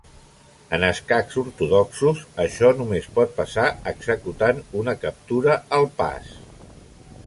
En escacs ortodoxos, això només pot passar executant una captura al pas.